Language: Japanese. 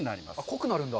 濃くなるんだ。